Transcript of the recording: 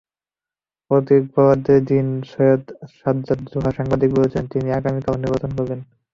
প্রতীক বরাদ্দের দিন সৈয়দ সাজ্জাদ জোহা সাংবাদিকদের বলেছিলেন, তিনি আগামীবারও নির্বাচন করবেন।